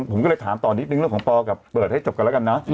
ผมก็เลยถามต่อนิดนึงเรื่องของปอกับเปิดให้จบกันแล้วกันนะ